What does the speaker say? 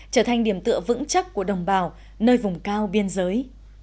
trở thành điểm tựa vững chắc của đồng bào nơi vùng cao biên giới